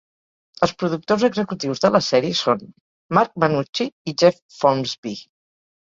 Els productors executius de la sèrie són Mark Mannucci i Jeff Folmsbee.